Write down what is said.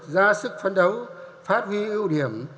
ra sức phấn đấu phát huy ưu điểm